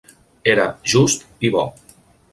Era just i bo.